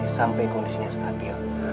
sampai kondisinya stabil